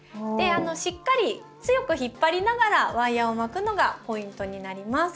しっかり強く引っ張りながらワイヤーを巻くのがポイントになります。